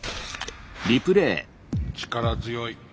力強い。